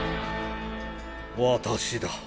私だ。